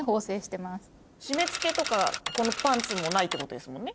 締め付けとかこのパンツもないってことですもんね？